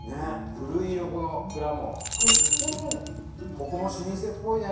ここも老舗っぽいね。